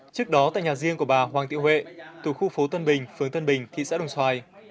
trước đó tại nhà riêng của bà hoàng thị huệ thuộc khu phố tân bình phường tân bình thị xã đồng xoài